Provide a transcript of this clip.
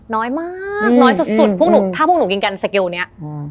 น้อยมากน้อยสุดสุดพวกหนูถ้าพวกหนูยิงกันสเกลเนี้ยอืม